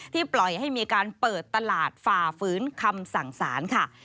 ปล่อยให้มีการเปิดตลาดฝ่าฝืนคำสั่งสารค่ะ